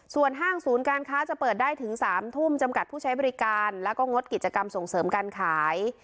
ส่วนห้างศูนย์การค้าจะเปิดได้ถึง๓ทุ่มจำกัดผู้ใช้บริการแล้วก็งดกิจกรรมส่งเสริมการขาย